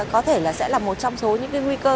có thể là sẽ là một trong số những cái nguy cơ